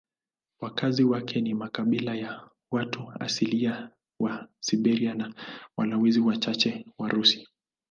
Wakazi wake ni makabila ya watu asilia wa Siberia na walowezi wachache Warusi.